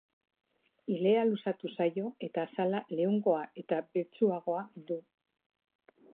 Ilea luzatu zaio eta azala leunagoa eta belztuagoa du.